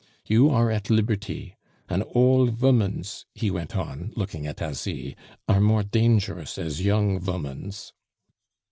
"You are at liberty. An' old vomans," he went on, looking at Asie, "are more dangerous as young vomans."